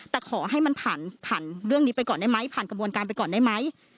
แต่ขอให้มันผ่านผ่านเรื่องนี้ไปก่อนได้ไหมผ่านกระบวนการไปก่อนได้ไหม